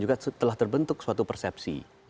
juga telah terbentuk suatu persepsi